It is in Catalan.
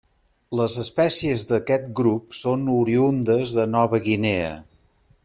Les espècies d'aquest grup són oriündes de Nova Guinea.